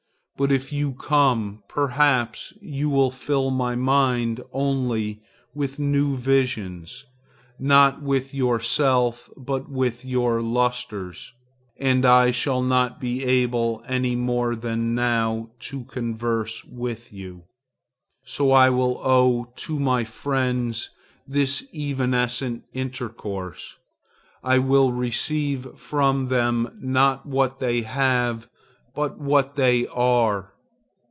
But if you come, perhaps you will fill my mind only with new visions; not with yourself but with your lustres, and I shall not be able any more than now to converse with you. So I will owe to my friends this evanescent intercourse. I will receive from them not what they have but what they are.